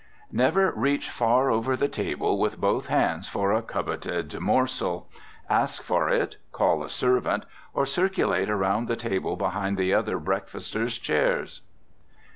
Never reach far over the table with both hands for a coveted morsel. Ask for it, call a servant, or circulate around the table behind the other breakfasters' chairs.